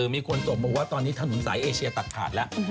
มีคนส่งมาว่าตอนนี้ถนนสายเอเชียตัดขาดแล้ว